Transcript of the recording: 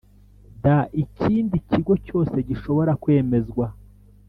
D ikindi kigo cyose gishobora kwemezwa